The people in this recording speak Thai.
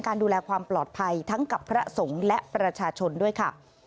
ดูแลความปลอดภัยทั้งกับพระสงฆ์และประชาชนด้วยค่ะ